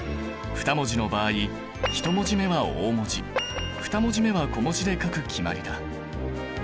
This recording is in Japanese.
２文字の場合１文字目は大文字２文字目は小文字で書く決まりだ。